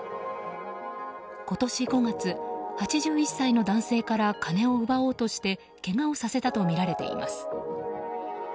今年５月、８１歳の男性から金を奪おうとしてけがをさせたとみられています。